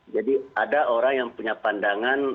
ada orang yang punya pandangan